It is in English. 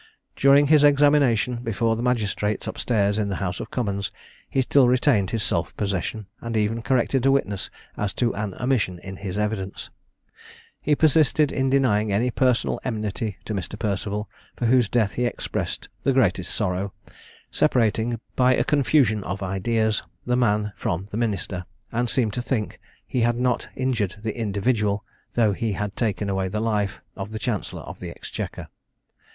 During his examination before the magistrates up stairs in the House of Commons, he still retained his self possession, and even corrected a witness as to an omission in his evidence. He persisted in denying any personal enmity to Mr. Perceval, for whose death he expressed the greatest sorrow, separating, by a confusion of ideas, the man from the minister; and seemed to think he had not injured the individual, though he had taken away the life of the chancellor of the exchequer.